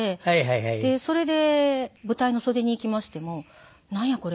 でそれで舞台の袖に行きましても「なんや？これ。